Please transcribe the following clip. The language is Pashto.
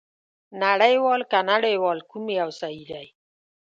نړۍوال که نړیوال کوم یو صحي دی؟